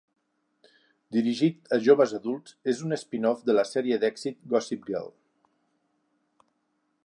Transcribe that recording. Dirigit a joves adults, és un spin-off de la sèrie d'èxit "Gossip Girl".